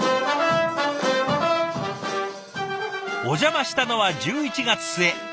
お邪魔したのは１１月末。